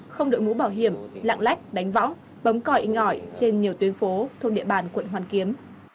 không đội mũ bảo hiểm lạng lách đánh võng bấm còi ngỏi trên nhiều tuyến phố thuộc địa bàn quận hoàn kiếm